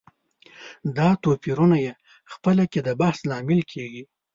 دا توپيرونه یې خپله کې د بحث لامل کېږي.